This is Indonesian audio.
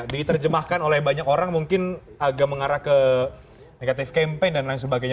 diterjemahkan oleh banyak orang mungkin agak mengarah ke negatif campaign dan lain sebagainya